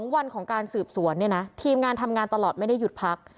วันของการสืบสวนเนี่ยนะทีมงานทำงานตลอดไม่ได้หยุดพัก